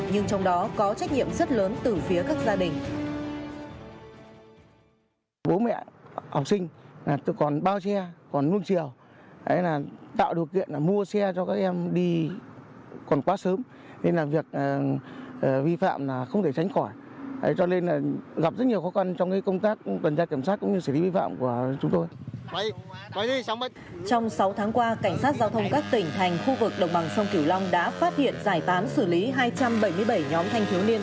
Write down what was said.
nhưng trong đó có trách nhiệm rất lớn từ phía các gia đình